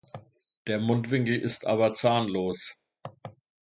Der Mundwinkel ist aber zahnlos.